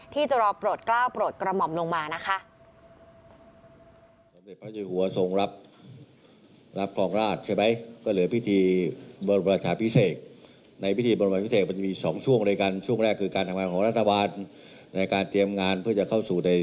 ที่จะรอโปรดกล้าวโปรดกระหม่อมลงมานะคะ